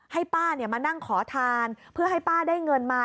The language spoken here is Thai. ให้ป้ามานั่งขอทานเพื่อให้ป้าได้เงินมา